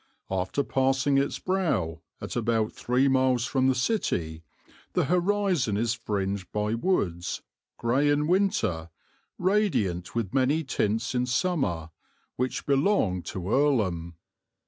After passing its brow, at about three miles from the city, the horizon is fringed by woods grey in winter, radiant with many tints in summer which belong to Earlham.